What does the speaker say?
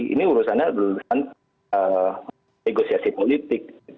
ini urusannya urusan negosiasi politik